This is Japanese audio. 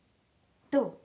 どう？